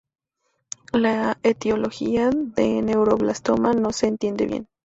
La etiología del neuroblastoma no se entiende bien.